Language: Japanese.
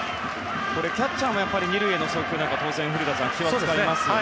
キャッチャーも２塁への送球は当然、古田さん気を使いますね。